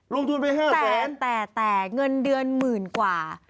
ลงทุนไป๕แสนแต่แต่เงินเดือนหมื่นกว่า